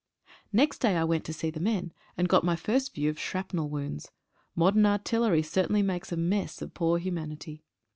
Next day I went to see the men, and got my first view of shrapnel wounds. Modern artillery certainly makes a mess of poor humanity.